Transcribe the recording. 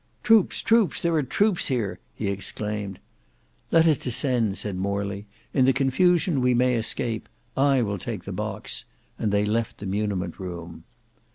"Troops, troops! there are troops here!" he exclaimed. "Let us descend," said Morley. "In the confusion we may escape. I will take the box," and they left the muniment room.